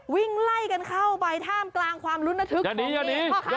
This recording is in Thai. วิ่งไล่กันเข้าไปท่ามกลางความรุนทึกของผ้าค้านั้นฮะ